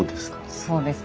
そうですね。